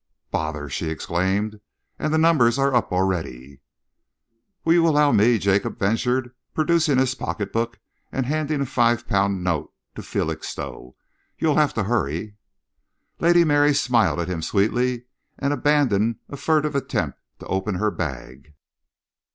"Bother!" she exclaimed. "And the numbers are up already!" "Will you allow me?" Jacob ventured, producing his pocketbook and handing a five pound note to Felixstowe. "You'll have to hurry." Lady Mary smiled at him sweetly and abandoned a furtive attempt to open her bag.